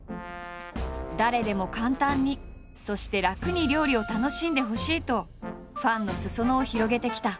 誰でも簡単にそして楽に料理を楽しんでほしいとファンの裾野を広げてきた。